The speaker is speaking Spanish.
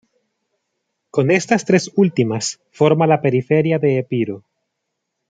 Con estas tres últimas forma la periferia de Epiro.